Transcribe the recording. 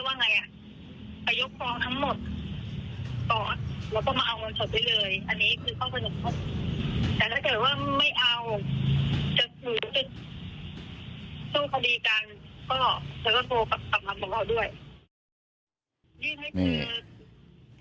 แต่ถ้าเกิดว่าไม่เอาจะสู้คดีกันก็ตัวกับกับมันบอกเขาด้วย